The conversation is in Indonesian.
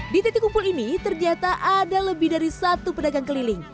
di titik kumpul ini ternyata ada lebih dari satu pedagang keliling